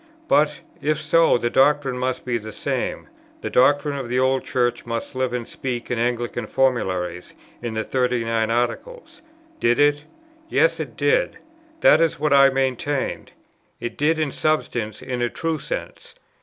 But, if so, the doctrine must be the same; the doctrine of the Old Church must live and speak in Anglican formularies, in the 39 Articles. Did it? Yes, it did; that is what I maintained; it did in substance, in a true sense.